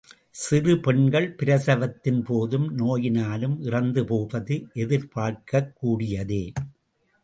சிறுபெண்கள் பிரசவத்தின் போதும் நோயினாலும் இறந்துபோவது எதிர்பார்க்கக் கூடியதே!